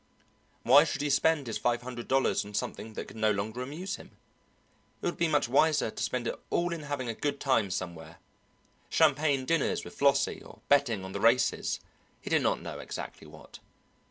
Why should he spend his five hundred dollars on something that could no longer amuse him? It would be much wiser to spend it all in having a good time somewhere champagne dinners with Flossie, or betting on the races he did not know exactly what.